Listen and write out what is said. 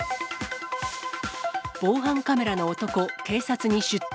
防犯カメラの男、警察に出頭。